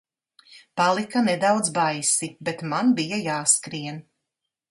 Palika nedaudz baisi, bet man bija jāskrien.